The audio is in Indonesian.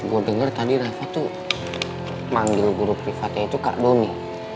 boy gue denger tadi reva tuh manggil guru privatnya itu kardoni